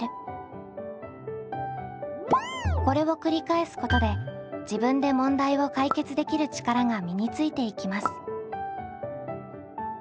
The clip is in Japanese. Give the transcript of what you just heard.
これを繰り返すことで自分で問題を解決できる力が身についていきます。